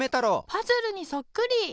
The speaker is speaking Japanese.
パズルにそっくり！